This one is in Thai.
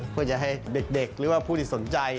เพื่อจะให้เด็กหรือว่าผู้ที่สนใจ